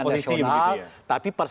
tapi sikap kami adalah oposisi